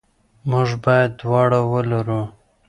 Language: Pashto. موږ باید دواړه ولرو.